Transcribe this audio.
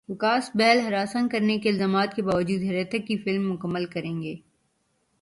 وکاس بہل ہراساں کرنے کے الزامات کے باوجود ہریتھک کی فلم مکمل کریں گے